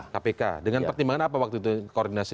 kpk dengan pertimbangan apa waktu itu koordinasi